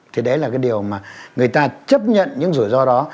thì đấy là cái điều mà người ta chấp nhận những rủi ro đó